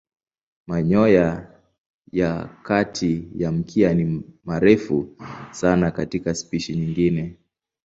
Manyoya ya kati ya mkia ni marefu sana katika spishi nyingine.